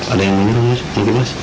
ada yang menyuruh mungkin mas